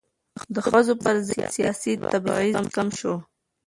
د ښځو پر ضد سیاسي تبعیض کم شو.